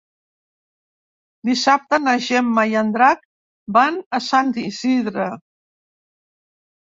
Dissabte na Gemma i en Drac van a Sant Isidre.